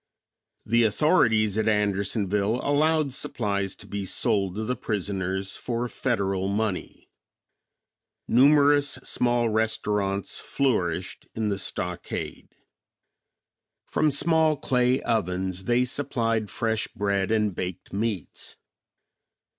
The authorities at Andersonville allowed supplies to be sold to the prisoners for Federal money. Numerous small restaurants flourished in the stockade. From small clay ovens they supplied fresh bread and baked meats.